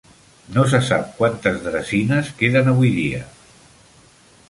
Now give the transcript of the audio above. No se sap quantes dresines queden avui dia.